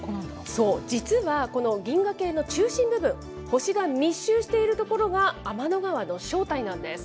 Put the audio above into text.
そう、実はこの銀河系の中心部分、星が密集している所が天の川の正体なんです。